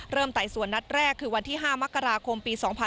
เริ่มไตสวนนัดแรกวันที่๕มักรากง